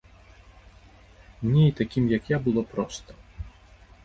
Мне і такім, як я было проста.